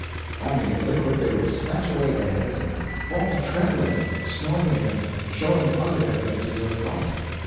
Finding it liquid, they would snatch away their heads and fall to trembling, snorting and showing other evidences of fright.